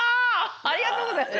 ありがとうございます！